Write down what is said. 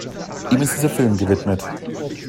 Ihm ist dieser Film gewidmet.